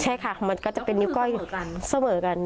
ใช่ค่ะมันก็จะเป็นนิ้วก้อยอยู่เสมอกัน